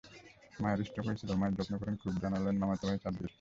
মায়ের স্ট্রোক হয়েছিল, মায়ের যত্ন করেন খুব, জানালেন মামাতো ভাই সাব্বির।